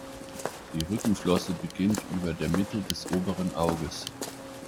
Die Rückenflosse beginnt über der Mitte des oberen Auges.